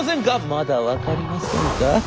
「まだ分かりませんか。